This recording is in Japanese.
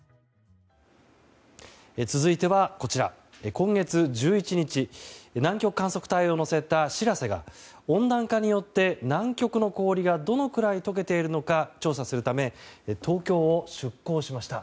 続いてはこちら今月１１日、南極観測隊を乗せた「しらせ」が温暖化によって南極の氷がどのぐらい溶けているか調査するため東京を出航しました。